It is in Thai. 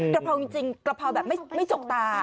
กระเพราจริงกะเพราแบบไม่จกตา